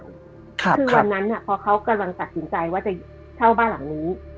คือวันนั้นพอเขากำลังตัดสินใจว่าจะเช่าบ้านหลังนี้